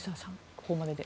ここまでで。